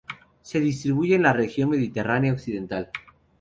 Se distribuye en la Región mediterránea Occidental.